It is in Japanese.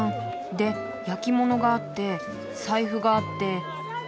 で焼き物があって財布があって。